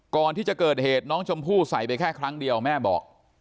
ก่อนที่จะเกิดเหตุน้องชมพู่ใส่ไปแค่ครั้งเดียวแม่บอก